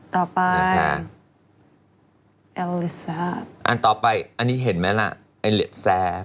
ต่อไปอันต่อไปอันนี้เห็นไหมล่ะเอลิสาบ